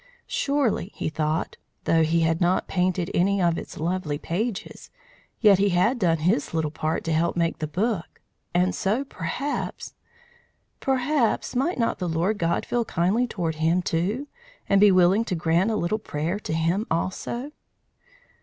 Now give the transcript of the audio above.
Surely, he thought, though he had not painted any of its lovely pages, yet he had done his little part to help make the book, and so, perhaps perhaps might not the Lord God feel kindly toward him, too, and be willing to grant a little prayer to him also?